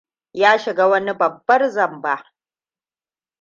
Ya shiga wani babban zamba.